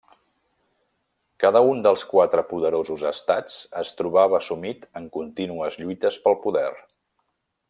Cada un dels quatre poderosos estats es trobava sumit en contínues lluites pel poder.